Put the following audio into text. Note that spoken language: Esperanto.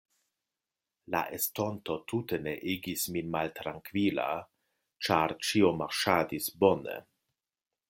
La estonto tute ne igis min maltrankvila, ĉar ĉio marŝadis bone.